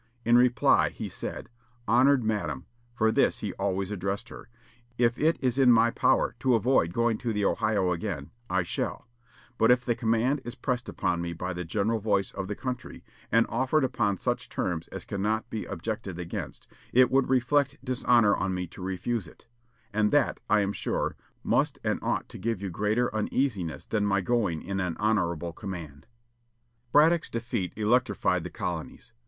In reply he said, "Honored Madam," for thus he always addressed her, "if it is in my power to avoid going to the Ohio again, I shall; but if the command is pressed upon me by the general voice of the country, and offered upon such terms as cannot be objected against, it would reflect dishonor on me to refuse it; and that, I am sure, must and ought to give you greater uneasiness than my going in an honorable command." Braddock's defeat electrified the colonies.